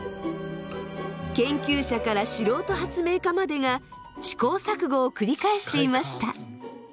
研究者から素人発明家までが試行錯誤を繰り返していました。